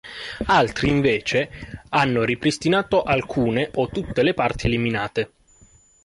Altri invece hanno ripristinato alcune o tutte le parti eliminate.